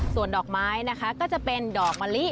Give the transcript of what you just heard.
ส่วนดอกไม้นะคะก็จะเป็นดอกมะลิ